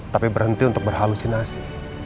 tapi berhenti untuk berhalusinasi